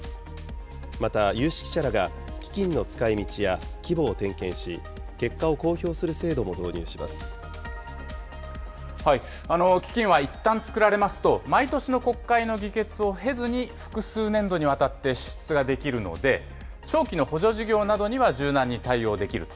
また有識者らが基金の使いみちや規模を点検し、結果を公表する制基金はいったん作られますと、毎年の国会の議決を経ずに複数年度にわたって支出ができるので、長期の補助事業などには柔軟に対応できると。